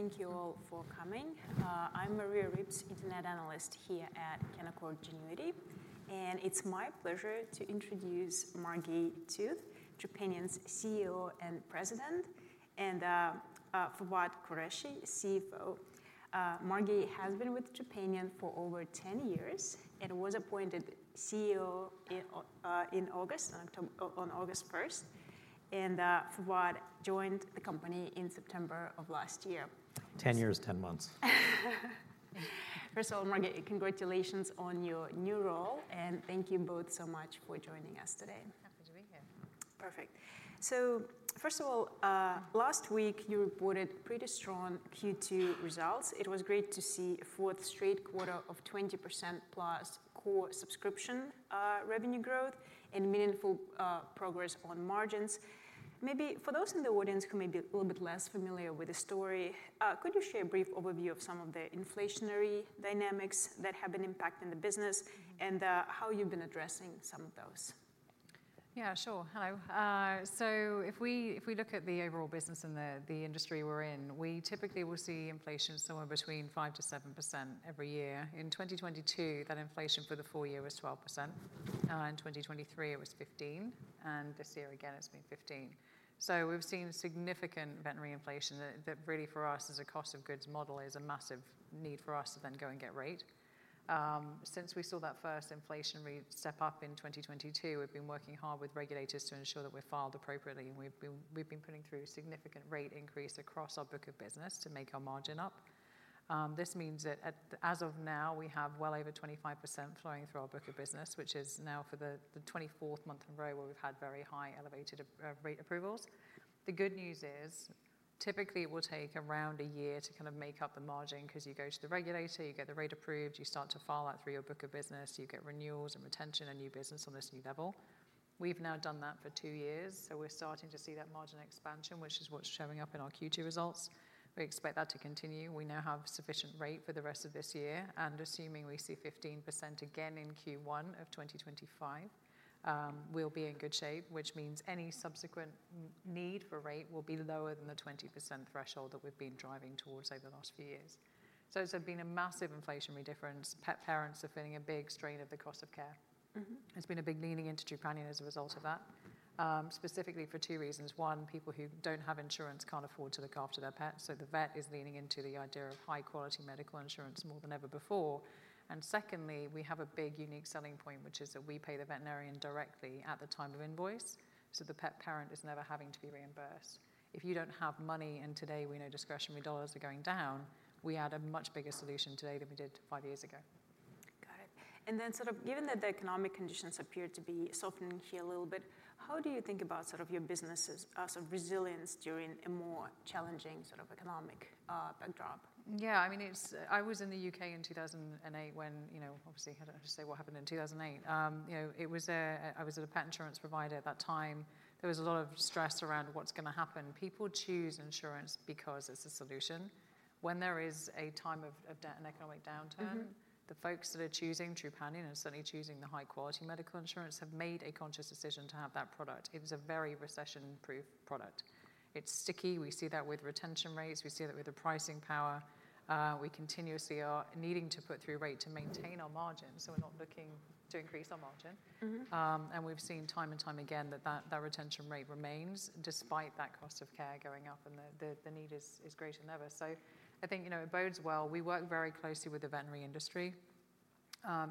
Thank you all for coming. I'm Maria Ripps, Internet analyst here at Canaccord Genuity, and it's my pleasure to introduce Margi Tooth, Trupanion's CEO and President, and Fawwad Qureshi, CFO. Margi has been with Trupanion for over 10 years and was appointed CEO in August on August 1st, and Fawwad joined the company in September of last year. 10 years, 10 months. First of all, Margi, congratulations on your new role, and thank you both so much for joining us today. Happy to be here. Perfect. So first of all, last week you reported pretty strong Q2 results. It was great to see a fourth straight quarter of 20% plus core subscription revenue growth and meaningful progress on margins. Maybe for those in the audience who may be a little bit less familiar with the story, could you share a brief overview of some of the inflationary dynamics that have been impacting the business and how you've been addressing some of those? Yeah, sure. Hello. So if we look at the overall business and the industry we're in, we typically will see inflation somewhere between 5%-7% every year. In 2022, that inflation for the full year was 12%. In 2023, it was 15%, and this year, again, it's been 15%. So we've seen significant veterinary inflation that really for us, as a cost of goods model, is a massive need for us to then go and get rate. Since we saw that first inflationary step up in 2022, we've been working hard with regulators to ensure that we're filed appropriately, and we've been putting through significant rate increase across our book of business to make our margin up. This means that as of now, we have well over 25% flowing through our book of business, which is now for the 24th month in a row where we've had very high elevated rate approvals. The good news is, typically it will take around a year to kind of make up the margin, 'cause you go to the regulator, you get the rate approved, you start to file that through your book of business, you get renewals and retention and new business on this new level. We've now done that for 2 years, so we're starting to see that margin expansion, which is what's showing up in our Q2 results. We expect that to continue. We now have sufficient rate for the rest of this year, and assuming we see 15% again in Q1 of 2025, we'll be in good shape, which means any subsequent need for rate will be lower than the 20% threshold that we've been driving towards over the last few years. So it's been a massive inflationary difference. Pet parents are feeling a big strain of the cost of care. Mm-hmm. There's been a big leaning into Trupanion as a result of that, specifically for two reasons. One, people who don't have insurance can't afford to look after their pets, so the vet is leaning into the idea of high-quality medical insurance more than ever before. And secondly, we have a big unique selling point, which is that we pay the veterinarian directly at the time of invoice, so the pet parent is never having to be reimbursed. If you don't have money, and today we know discretionary dollars are going down, we had a much bigger solution today than we did five years ago. Got it. And then, given that the economic conditions appear to be softening here a little bit, how do you think about your business's sort of resilience during a more challenging economic backdrop? Yeah, I mean, it's. I was in the UK in 2008 when, you know, obviously, I don't have to say what happened in 2008. You know, it was. I was at a pet insurance provider at that time. There was a lot of stress around what's gonna happen. People choose insurance because it's a solution. When there is a time of an economic downturn- Mm-hmm ... the folks that are choosing Trupanion and certainly choosing the high-quality medical insurance, have made a conscious decision to have that product. It is a very recession-proof product. It's sticky. We see that with retention rates. We see that with the pricing power. We continuously are needing to put through rate to maintain our margin, so we're not looking to increase our margin. Mm-hmm. And we've seen time and time again that retention rate remains despite that cost of care going up, and the need is greater than ever. So I think, you know, it bodes well. We work very closely with the veterinary industry.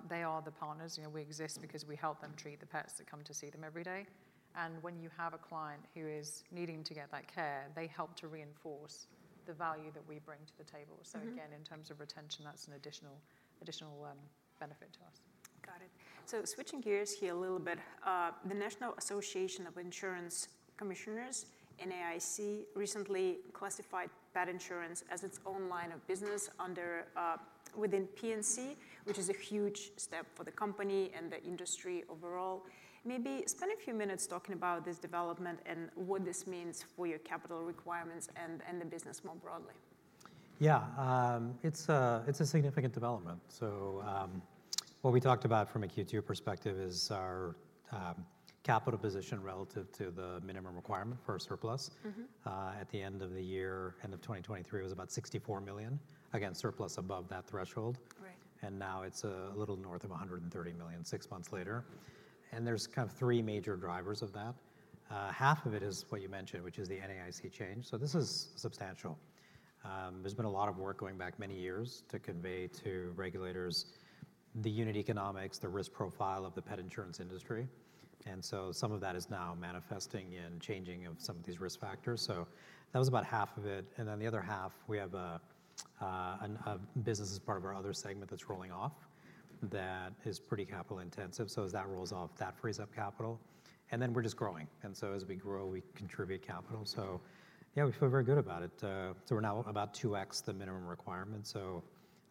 They are the partners. You know, we exist because we help them treat the pets that come to see them every day. And when you have a client who is needing to get that care, they help to reinforce the value that we bring to the table. Mm-hmm. So again, in terms of retention, that's an additional benefit to us. Got it. So switching gears here a little bit, the National Association of Insurance Commissioners, NAIC, recently classified pet insurance as its own line of business under, within P&C, which is a huge step for the company and the industry overall. Maybe spend a few minutes talking about this development and what this means for your capital requirements and, and the business more broadly. Yeah, it's a significant development. So, what we talked about from a Q2 perspective is our capital position relative to the minimum requirement for a surplus. Mm-hmm. At the end of the year, end of 2023, it was about $64 million. Again, surplus above that threshold. Right. Now it's a little north of $130 million, six months later, and there's kind of three major drivers of that. Half of it is what you mentioned, which is the NAIC change. So this is substantial. There's been a lot of work going back many years to convey to regulators the unit economics, the risk profile of the pet insurance industry, and so some of that is now manifesting in changing of some of these risk factors. So that was about half of it, and then the other half, we have a business as part of our other segment that's rolling off, that is pretty capital intensive. So as that rolls off, that frees up capital, and then we're just growing. And so as we grow, we contribute capital. So yeah, we feel very good about it. So, we're now about 2x the minimum requirement, so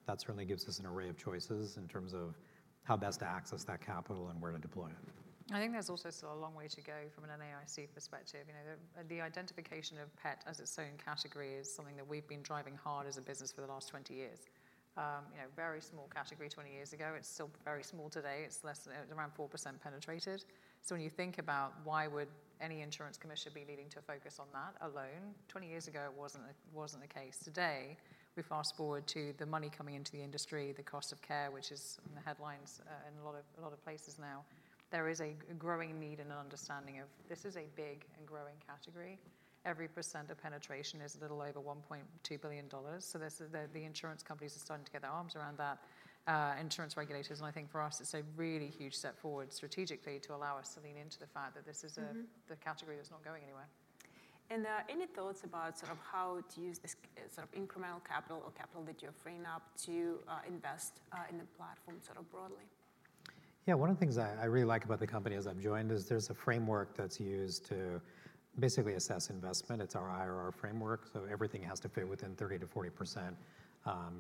that certainly gives us an array of choices in terms of how best to access that capital and where to deploy it. I think there's also still a long way to go from an NAIC perspective. You know, the identification of pet as its own category is something that we've been driving hard as a business for the last 20 years. You know, very small category 20 years ago. It's still very small today. It's less than around 4% penetrated. So when you think about why would any insurance commissioner be needing to focus on that alone? 20 years ago, it wasn't the case. Today, we fast-forward to the money coming into the industry, the cost of care, which is in the headlines in a lot of places now. There is a growing need and an understanding of this is a big and growing category. Every 1% of penetration is a little over $1.2 billion, so this is the insurance companies are starting to get their arms around that, insurance regulators. And I think for us, it's a really huge step forward strategically to allow us to lean into the fact that this is a- Mm-hmm... the category that's not going anywhere. Any thoughts about sort of how to use this sort of incremental capital or capital that you're freeing up to invest in the platform sort of broadly? Yeah, one of the things I, I really like about the company as I've joined is there's a framework that's used to basically assess investment. It's our IRR framework, so everything has to fit within 30%-40%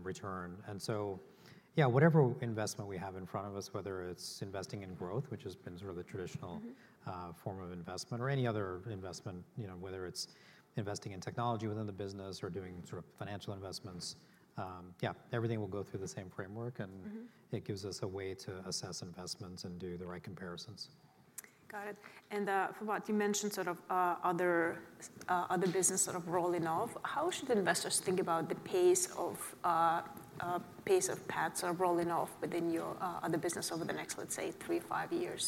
return. And so, yeah, whatever investment we have in front of us, whether it's investing in growth, which has been sort of the traditional- Mm-hmm ... form of investment or any other investment, you know, whether it's investing in technology within the business or doing sort of financial investments. Yeah, everything will go through the same framework, and- Mm-hmm... it gives us a way to assess investments and do the right comparisons. Got it. And, Fawwad, you mentioned sort of, other, other business sort of rolling off. How should investors think about the pace of, pace of pets are rolling off within your, other business over the next, let's say, three to five years?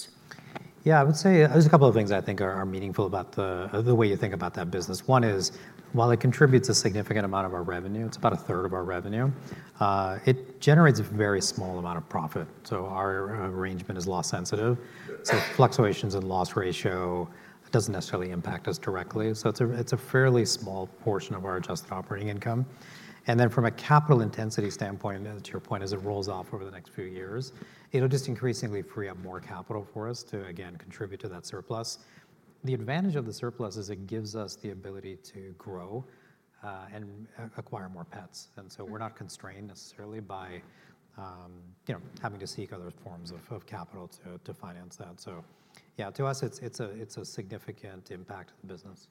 Yeah, I would say there's a couple of things I think are meaningful about the way you think about that business. One is, while it contributes a significant amount of our revenue, it's about a third of our revenue, it generates a very small amount of profit, so our arrangement is loss sensitive. So fluctuations in loss ratio doesn't necessarily impact us directly. So it's a fairly small portion of our adjusted operating income. And then from a capital intensity standpoint, and to your point, as it rolls off over the next few years, it'll just increasingly free up more capital for us to again, contribute to that surplus. The advantage of the surplus is it gives us the ability to grow, and acquire more pets, and so we're not constrained necessarily by, you know, having to seek other forms of capital to finance that. So yeah, to us, it's a significant impact to the business.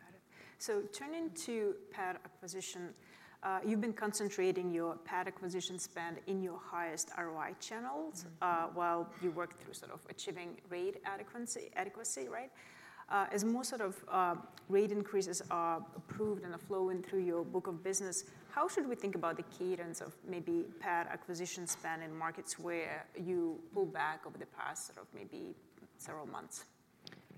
Got it. So turning to pet acquisition, you've been concentrating your pet acquisition spend in your highest ROI channels- Mm-hmm... while you work through sort of achieving rate adequacy, right? As more sort of rate increases are approved and are flowing through your book of business, how should we think about the cadence of maybe pet acquisition spend in markets where you pulled back over the past, sort of maybe several months?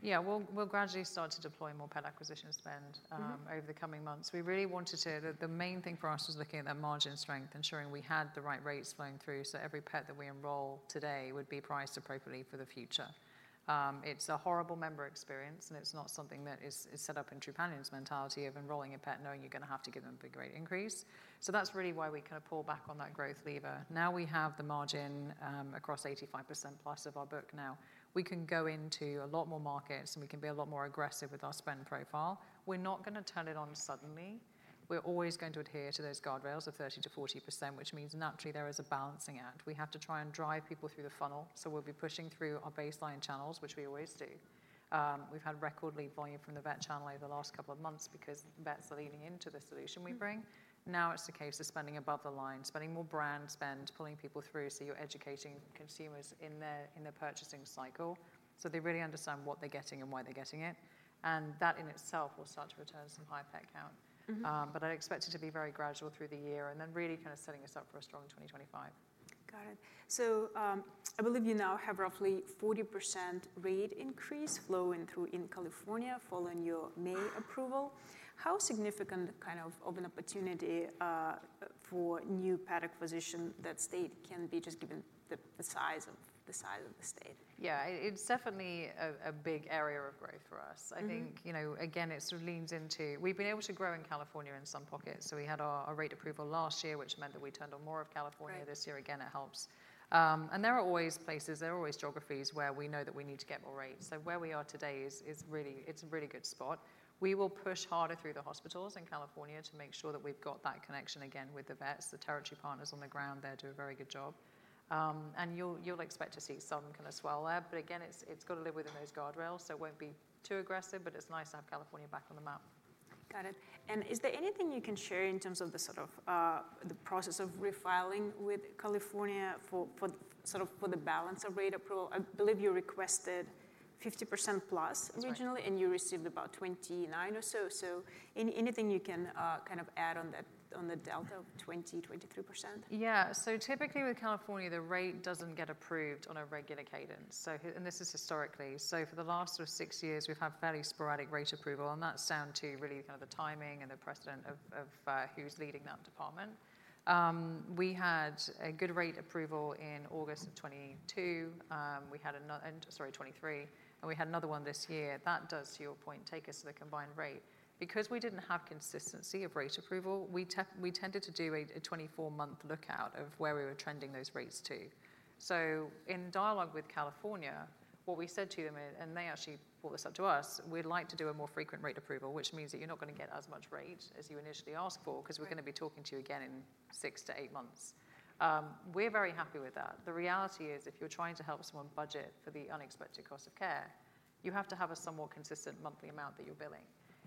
Yeah. We'll gradually start to deploy more pet acquisition spend- Mm-hmm... over the coming months. We really wanted to—the main thing for us was looking at that margin strength, ensuring we had the right rates flowing through, so every pet that we enroll today would be priced appropriately for the future. It's a horrible member experience, and it's not something that is set up in Trupanion's mentality of enrolling a pet knowing you're gonna have to give them a big rate increase. So that's really why we kind of pulled back on that growth lever. Now we have the margin across 85%+ of our book now. We can go into a lot more markets, and we can be a lot more aggressive with our spend profile. We're not gonna turn it on suddenly. We're always going to adhere to those guardrails of 30%-40%, which means naturally there is a balancing act. We have to try and drive people through the funnel, so we'll be pushing through our baseline channels, which we always do. We've had record lead volume from the vet channel over the last couple of months because vets are leaning into the solution we bring. Mm-hmm. Now, it's a case of spending above the line, spending more brand spend, pulling people through, so you're educating consumers in their, in their purchasing cycle. So they really understand what they're getting and why they're getting it, and that in itself will start to return some high pet count. Mm-hmm. But I'd expect it to be very gradual through the year and then really kind of setting us up for a strong 2025. Got it. So, I believe you now have roughly 40% rate increase flowing through in California following your May approval. How significant kind of an opportunity for new pet acquisition that state can be, just given the size of the state? Yeah. It's definitely a big area of growth for us. Mm-hmm. I think, you know, again, it sort of leans into... We've been able to grow in California in some pockets, so we had our rate approval last year, which meant that we turned on more of California. Right. This year, again, it helps. And there are always places, there are always geographies, where we know that we need to get more rates. So where we are today is really. It's a really good spot. We will push harder through the hospitals in California to make sure that we've got that connection again with the vets. The territory partners on the ground there do a very good job. And you'll expect to see some kind of swell there, but again, it's got to live within those guardrails, so it won't be too aggressive, but it's nice to have California back on the map. Got it. Is there anything you can share in terms of the sort of, the process of refiling with California for, for sort of for the balance of rate approval? I believe you requested 50% plus- That's right... originally, and you received about 29 or so. So anything you can kind of add on that, on the delta of 23%? Yeah. So typically, with California, the rate doesn't get approved on a regular cadence. So and this is historically. So for the last sort of six years, we've had fairly sporadic rate approval, and that's down to really kind of the timing and the precedent of, of, who's leading that department. We had a good rate approval in August of 2022. Sorry, 2023, and we had another one this year. That does, to your point, take us to the combined rate. Because we didn't have consistency of rate approval, we tended to do a 24-month lookout of where we were trending those rates to. In dialogue with California, what we said to them, and they actually brought this up to us: "We'd like to do a more frequent rate approval, which means that you're not gonna get as much rate as you initially asked for- Right... because we're gonna be talking to you again in six to eight months." We're very happy with that. The reality is, if you're trying to help someone budget for the unexpected cost of care, you have to have a somewhat consistent monthly amount that you're billing.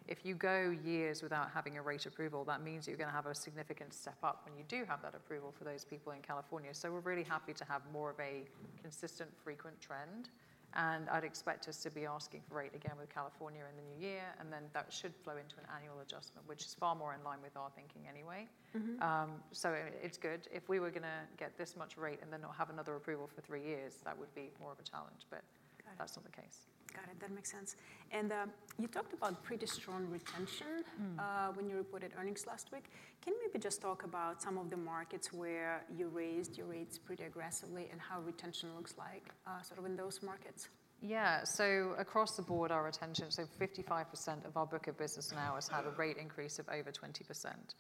If you go years without having a rate approval, that means you're gonna have a significant step up when you do have that approval for those people in California. So we're really happy to have more of a consistent, frequent trend, and I'd expect us to be asking for rate again with California in the new year, and then that should flow into an annual adjustment, which is far more in line with our thinking anyway. Mm-hmm. So it's good. If we were gonna get this much rate and then not have another approval for three years, that would be more of a challenge, but- Got it. That's not the case. Got it. That makes sense. And, you talked about pretty strong retention- Mm. When you reported earnings last week, can you maybe just talk about some of the markets where you raised your rates pretty aggressively and how retention looks like, sort of in those markets? Yeah. So across the board, our retention, so 55% of our book of business now has had a rate increase of over 20%.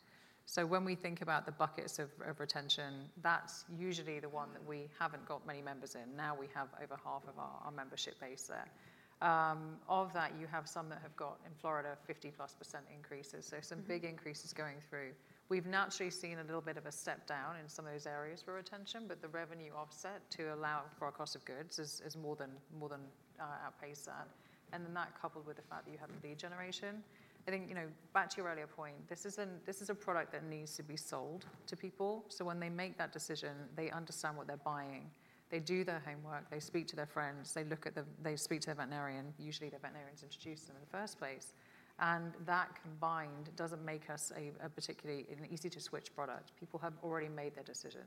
So when we think about the buckets of retention, that's usually the one that we haven't got many members in. Now, we have over half of our membership base there. Of that, you have some that have got, in Florida, 50+% increases. Mm-hmm. So some big increases going through. We've naturally seen a little bit of a step down in some of those areas for retention, but the revenue offset to allow for our cost of goods is more than outpace that. And then that, coupled with the fact that you have lead generation... I think, you know, back to your earlier point, this is a product that needs to be sold to people. So when they make that decision, they understand what they're buying. They do their homework, they speak to their friends, they look at the-- they speak to their veterinarian. Usually, their veterinarian's introduced them in the first place, and that combined doesn't make us a particularly easy-to-switch product. People have already made their decision,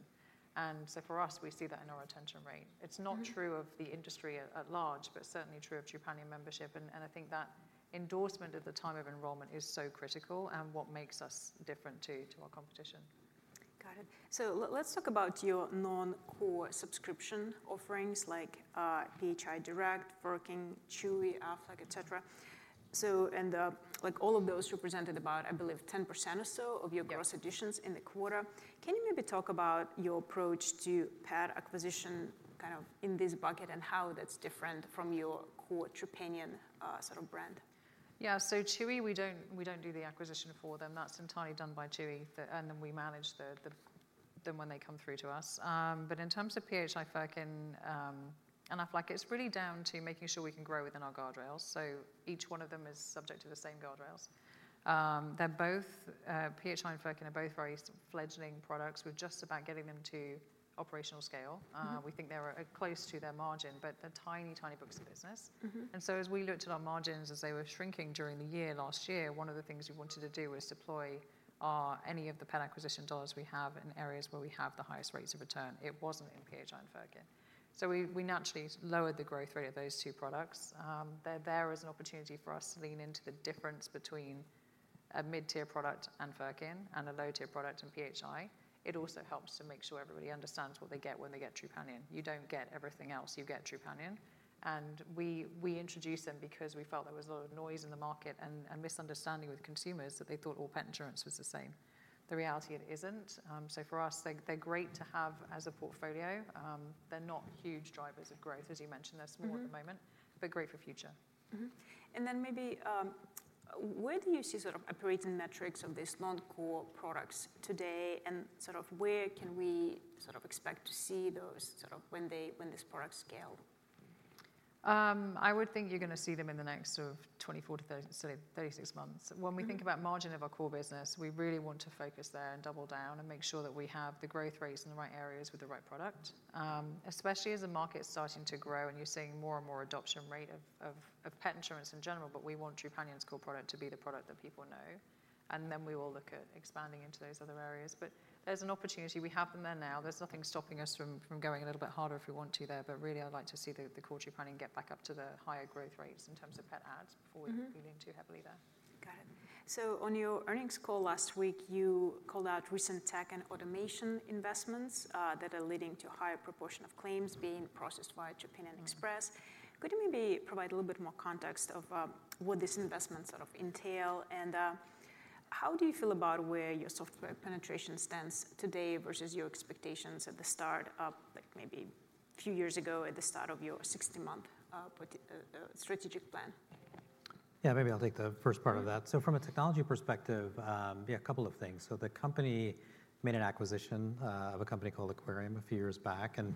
and so for us, we see that in our retention rate. Mm-hmm. It's not true of the industry at large, but certainly true of Trupanion membership, and I think that endorsement at the time of enrollment is so critical and what makes us different, too, to our competition. Got it. So let's talk about your non-core subscription offerings, like, PHI Direct, Furkin, Chewy, Aflac, et cetera. So and, like all of those represented about, I believe, 10% or so of your- Yeah... gross additions in the quarter. Can you maybe talk about your approach to pet acquisition, kind of in this bucket, and how that's different from your core Trupanion, sort of brand? Yeah. So Chewy, we don't do the acquisition for them. That's entirely done by Chewy. And then we manage them when they come through to us. But in terms of PHI, Furkin, and Aflac, it's really down to making sure we can grow within our guardrails. So each one of them is subject to the same guardrails. They're both PHI and Furkin are both very fledgling products. We're just about getting them to operational scale. Mm-hmm. We think they're close to their margin, but they're tiny, tiny books of business. Mm-hmm. And so as we looked at our margins as they were shrinking during the year last year, one of the things we wanted to do was deploy our, any of the pet acquisition dollars we have in areas where we have the highest rates of return. It wasn't in PHI and Furkin, so we, we naturally lowered the growth rate of those two products. They're there as an opportunity for us to lean into the difference between a mid-tier product and Furkin, and a low-tier product and PHI. It also helps to make sure everybody understands what they get when they get Trupanion. You don't get everything else, you get Trupanion. And we, we introduced them because we felt there was a lot of noise in the market and, and misunderstanding with consumers, that they thought all pet insurance was the same. The reality, it isn't. So for us, they're great to have as a portfolio. They're not huge drivers of growth, as you mentioned. Mm-hmm. They're small at the moment, but great for future. Mm-hmm. And then maybe, where do you see sort of operating metrics of these non-core products today, and sort of where can we sort of expect to see those sort of when these products scale? I would think you're gonna see them in the next sort of 24-36 months. Mm-hmm. When we think about margin of our core business, we really want to focus there and double down and make sure that we have the growth rates in the right areas with the right product. Especially as the market's starting to grow and you're seeing more and more adoption rate of pet insurance in general. But we want Trupanion's core product to be the product that people know, and then we will look at expanding into those other areas. But there's an opportunity. We have them there now. There's nothing stopping us from going a little bit harder if we want to there, but really, I'd like to see the core Trupanion get back up to the higher growth rates in terms of pet adds- Mm-hmm... before we lean too heavily there. Got it. So on your earnings call last week, you called out recent tech and automation investments that are leading to a higher proportion of claims being processed by Trupanion Express. Could you maybe provide a little bit more context of what this investment sort of entail? And how do you feel about where your software penetration stands today versus your expectations at the start of, like, maybe a few years ago, at the start of your 60-month strategic plan? Yeah, maybe I'll take the first part of that. Mm-hmm. So from a technology perspective, yeah, a couple of things. So the company made an acquisition of a company called Aquarium a few years back, and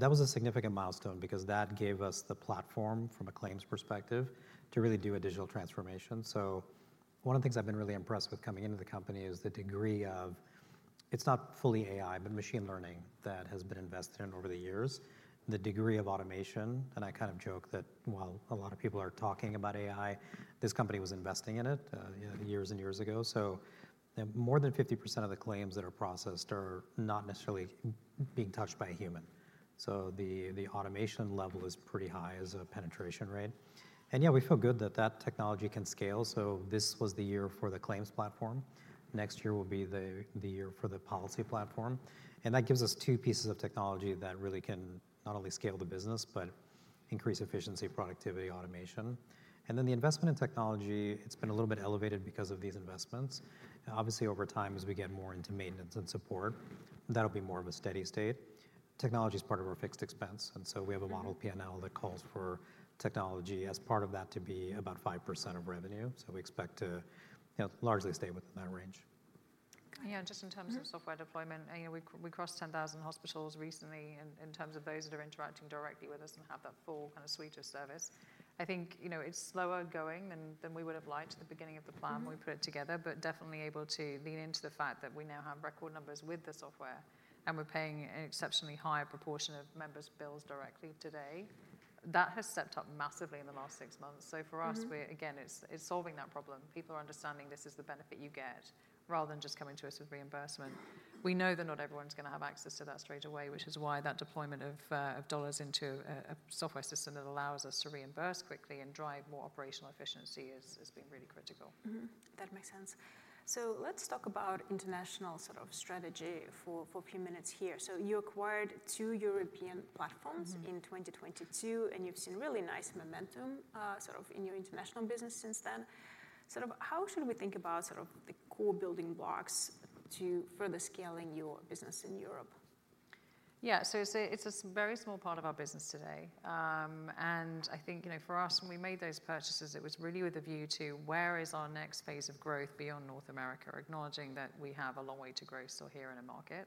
that was a significant milestone because that gave us the platform, from a claims perspective, to really do a digital transformation. So one of the things I've been really impressed with coming into the company is the degree of... It's not fully AI, but machine learning that has been invested in over the years, and the degree of automation. And I kind of joke that while a lot of people are talking about AI, this company was investing in it, you know, years and years ago. So more than 50% of the claims that are processed are not necessarily being touched by a human. So the automation level is pretty high as a penetration rate. And yeah, we feel good that that technology can scale. So this was the year for the claims platform. Next year will be the year for the policy platform, and that gives us two pieces of technology that really can not only scale the business, but increase efficiency, productivity, automation. And then the investment in technology, it's been a little bit elevated because of these investments. And obviously, over time, as we get more into maintenance and support, that'll be more of a steady state. Technology is part of our fixed expense, and so we have a model P&L that calls for technology as part of that to be about 5% of revenue. So we expect to, you know, largely stay within that range. Yeah, just in terms of- Mm-hmm... software deployment, you know, we crossed 10,000 hospitals recently in terms of those that are interacting directly with us and have that full kind of suite of service. I think, you know, it's slower going than we would've liked at the beginning of the plan- Mm-hmm... when we put it together, but definitely able to lean into the fact that we now have record numbers with the software, and we're paying an exceptionally higher proportion of members' bills directly today. That has stepped up massively in the last six months. Mm-hmm. So for us, again, it's, it's solving that problem. People are understanding this is the benefit you get, rather than just coming to us with reimbursement. We know that not everyone's gonna have access to that straight away, which is why that deployment of, of dollars into a, a software system that allows us to reimburse quickly and drive more operational efficiency has, has been really critical. Mm-hmm, that makes sense. Let's talk about international sort of strategy for a few minutes here. You acquired two European platforms- Mm-hmm... in 2022, and you've seen really nice momentum, sort of in your international business since then. Sort of how should we think about sort of the core building blocks to further scaling your business in Europe? Yeah. So it's a very small part of our business today. And I think, you know, for us, when we made those purchases, it was really with a view to where is our next phase of growth beyond North America, acknowledging that we have a long way to grow still here in the market.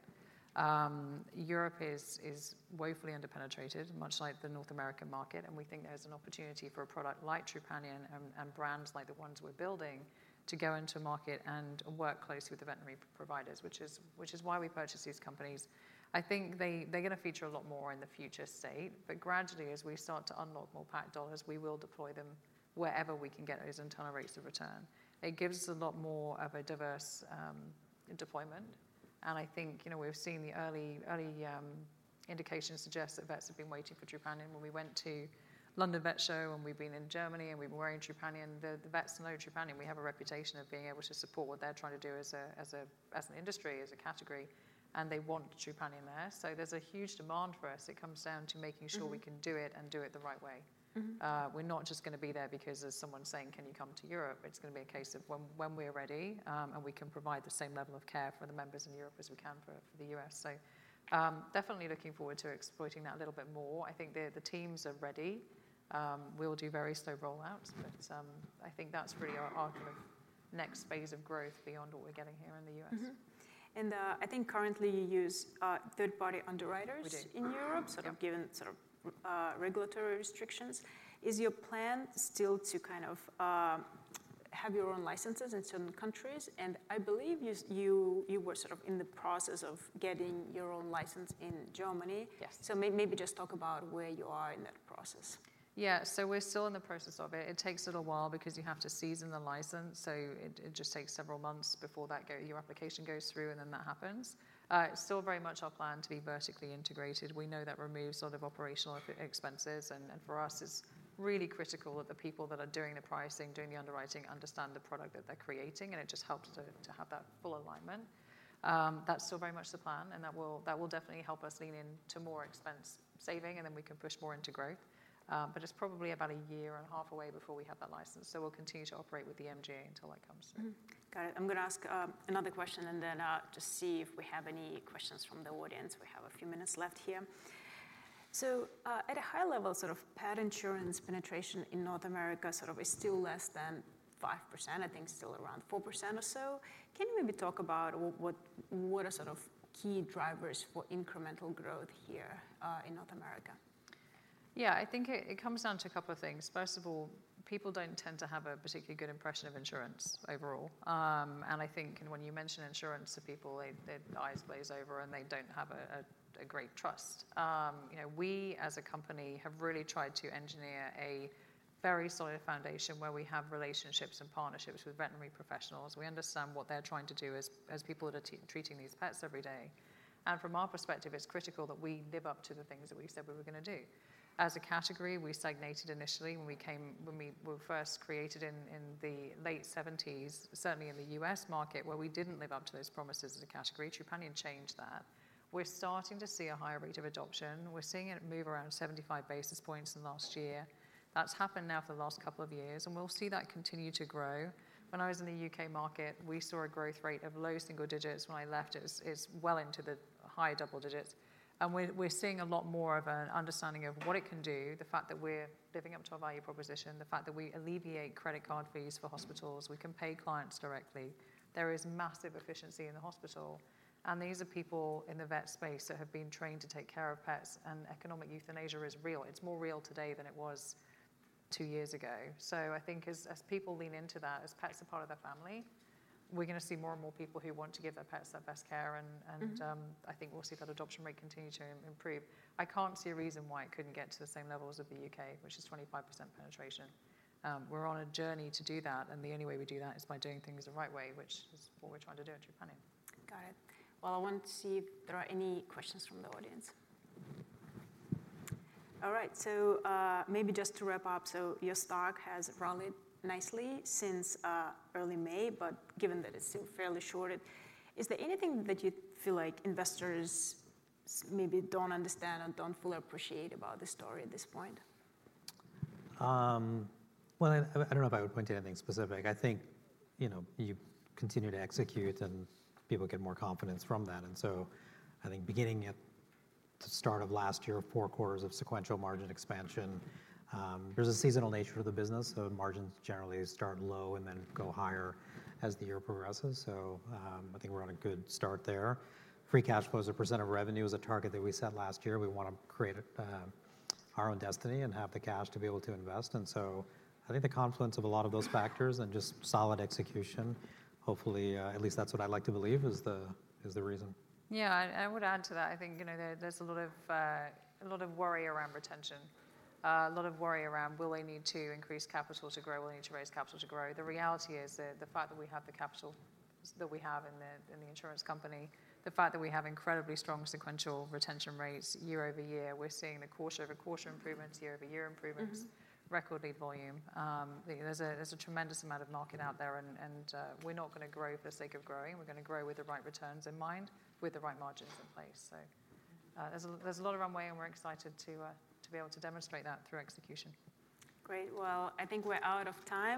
Europe is woefully underpenetrated, much like the North American market, and we think there's an opportunity for a product like Trupanion and brands like the ones we're building, to go into market and work closely with the veterinary providers, which is why we purchased these companies. I think they, they're gonna feature a lot more in the future state, but gradually, as we start to unlock more P&C dollars, we will deploy them wherever we can get those internal rates of return. It gives us a lot more of a diverse deployment, and I think, you know, we've seen the early indications suggest that vets have been waiting for Trupanion. When we went to London Vet Show, and we've been in Germany, and we've been wearing Trupanion, the vets know Trupanion. We have a reputation of being able to support what they're trying to do as an industry, as a category, and they want Trupanion there. So there's a huge demand for us. It comes down to making sure- Mm-hmm... we can do it and do it the right way. Mm-hmm. We're not just gonna be there because there's someone saying: "Can you come to Europe?" It's gonna be a case of when, when we're ready, and we can provide the same level of care for the members in Europe as we can for the U.S. So, definitely looking forward to exploiting that a little bit more. I think the teams are ready. We'll do very slow rollouts, but, I think that's really our kind of next phase of growth beyond what we're getting here in the U.S. Mm-hmm. And, I think currently you use third-party underwriters- We do. Mm-hmm. Yep.... in Europe, sort of given sort of, regulatory restrictions. Is your plan still to kind of have your own licenses in certain countries? And I believe you were sort of in the process of getting your own license in Germany. Yes. So maybe just talk about where you are in that process. Yeah. So we're still in the process of it. It takes a little while because you have to season the license, so it just takes several months before your application goes through, and then that happens. It's still very much our plan to be vertically integrated. We know that removes a lot of operational expenses, and for us, it's really critical that the people that are doing the pricing, doing the underwriting, understand the product that they're creating, and it just helps to have that full alignment. That's still very much the plan, and that will definitely help us lean in to more expense saving, and then we can push more into growth. But it's probably about a year and a half away before we have that license, so we'll continue to operate with the MGA until that comes through. Mm-hmm. Got it. I'm gonna ask another question, and then just see if we have any questions from the audience. We have a few minutes left here. So at a high level, sort of pet insurance penetration in North America sort of is still less than 5%. I think still around 4% or so. Can you maybe talk about what, what are sort of key drivers for incremental growth here in North America? Yeah, I think it comes down to a couple of things. First of all, people don't tend to have a particularly good impression of insurance overall. And I think... And when you mention insurance to people, their eyes glaze over, and they don't have a great trust. You know, we, as a company, have really tried to engineer a very solid foundation where we have relationships and partnerships with veterinary professionals. We understand what they're trying to do as people that are treating these pets every day. And from our perspective, it's critical that we live up to the things that we said we were gonna do. As a category, we stagnated initially when we were first created in the late seventies, certainly in the U.S. market, where we didn't live up to those promises as a category. Trupanion changed that. We're starting to see a higher rate of adoption. We're seeing it move around 75 basis points in the last year. That's happened now for the last couple of years, and we'll see that continue to grow. When I was in the UK market, we saw a growth rate of low single digits. When I left, it was, it was well into the high double digits. And we're, we're seeing a lot more of an understanding of what it can do, the fact that we're living up to our value proposition, the fact that we alleviate credit card fees for hospitals, we can pay clients directly. There is massive efficiency in the hospital, and these are people in the vet space that have been trained to take care of pets, and economic euthanasia is real. It's more real today than it was 2 years ago. So I think as people lean into that, as pets are part of their family, we're gonna see more and more people who want to give their pets the best care and Mm-hmm... I think we'll see that adoption rate continue to improve. I can't see a reason why it couldn't get to the same levels of the UK, which is 25% penetration. We're on a journey to do that, and the only way we do that is by doing things the right way, which is what we're trying to do at Trupanion. Got it. Well, I want to see if there are any questions from the audience. All right, so, maybe just to wrap up, so your stock has rallied nicely since early May, but given that it's still fairly shorted, is there anything that you feel like investors maybe don't understand or don't fully appreciate about the story at this point? Well, I don't know if I would point to anything specific. I think, you know, you continue to execute, and people get more confidence from that, and so I think beginning at the start of last year, four quarters of sequential margin expansion, there's a seasonal nature to the business, so margins generally start low and then go higher as the year progresses. So, I think we're on a good start there. Free cash flow as a percent of revenue is a target that we set last year. We want to create our own destiny and have the cash to be able to invest, and so I think the confluence of a lot of those factors and just solid execution, hopefully, at least that's what I'd like to believe, is the reason. Yeah, I, I would add to that. I think, you know, there, there's a lot of, a lot of worry around retention, a lot of worry around will they need to increase capital to grow? Will they need to raise capital to grow? The reality is that the fact that we have the capital that we have in the, in the insurance company, the fact that we have incredibly strong sequential retention rates year-over-year, we're seeing the quarter-over-quarter improvements, year-over-year improvements- Mm-hmm... record lead volume. There's a tremendous amount of market out there, and we're not gonna grow for the sake of growing. We're gonna grow with the right returns in mind, with the right margins in place. So, there's a lot of runway, and we're excited to be able to demonstrate that through execution. Great. Well, I think we're out of time.